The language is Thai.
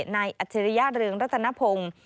อัจฉริยะเรืองรัตนพงศ์